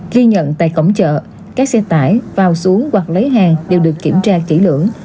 ghi nhận tại cổng chợ các xe tải vào xuống hoặc lấy hàng đều được kiểm tra kỹ lưỡng